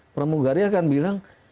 pramugari akan bilang